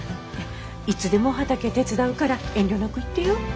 いつでも畑手伝うから遠慮なく言ってよ。